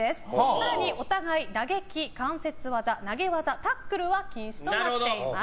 更に、お互い打撃、関節技投げ技、タックルは禁止になります。